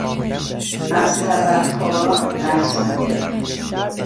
از تبهکاران عکس میگرفت.